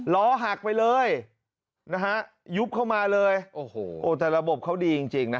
ล้อหักไปเลยนะฮะยุบเข้ามาเลยโอ้โหแต่ระบบเขาดีจริงนะ